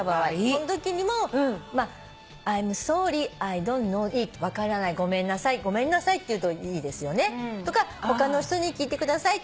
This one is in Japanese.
そのときにも「Ｉ’ｍｓｏｒｒｙ，Ｉｄｏｎ’ｔｋｎｏｗｉｔ」「分からないごめんなさい」「ごめんなさい」って言うといいですよね。とか「他の人に聞いてください」